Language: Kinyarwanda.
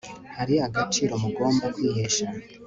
hari agaciro mugomba kwihesha